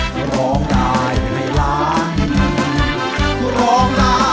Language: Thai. ก็ร้องได้ให้ร้านนะคุณ